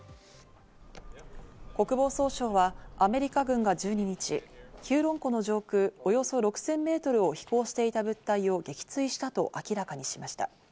国防総省はアメリカ軍が１２日、ヒューロン湖の上空およそ６０００メートルを飛行していた物体を撃墜したと明らかにしました。